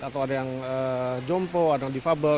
atau ada yang jompo ada yang difabel